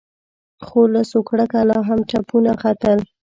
خو له سوکړکه لا هم تپونه ختل.